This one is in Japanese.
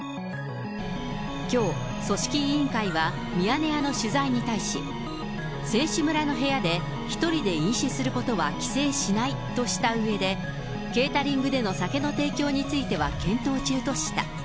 きょう、組織委員会はミヤネ屋の取材に対し、選手村の部屋で１人で飲酒することは規制しないとしたうえで、ケータリングでの酒の提供については検討中とした。